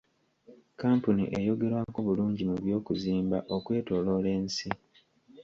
Kkampuni eyogerwako bulungi mu by'okuzimba okwetooloola ensi.